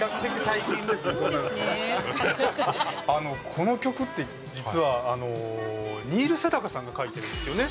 この曲って、実はニール・セダカさんが書いてるんですよね？